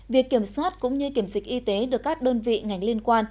việc kiểm soát cũng như kiểm dịch y tế được các đơn vị ngành liên quan